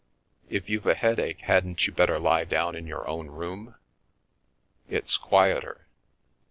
If you've a headache hadn't you better lie down in your own room? It's quieter."